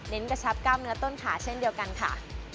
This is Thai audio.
กระชับกล้ามเนื้อต้นขาเช่นเดียวกันค่ะ